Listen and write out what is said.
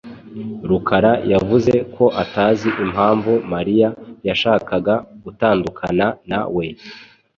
Rukara yavuze ko atazi impamvu Mariya yashakaga gutandukana na we.